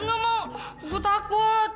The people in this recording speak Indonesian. nggak nggak mau gue takut